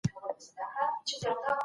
ایا لوی صادروونکي وچه الوچه اخلي؟